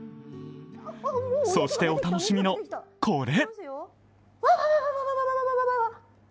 そして、お楽しみの、これ！